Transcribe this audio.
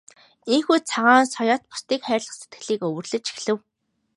Ийнхүү Цагаан соёот бусдыг хайрлах сэтгэлийг өвөрлөж эхлэв.